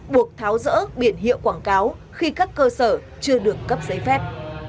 buộc tháo rỡ biển hiệu quảng cáo khi các cơ sở chưa được cấp giấy phép